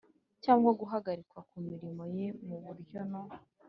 cyangwa guhagarikwa ku mirimo ye mu buryo no